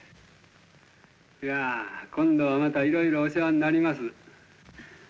いやあ今度はまたいろいろお世話になります。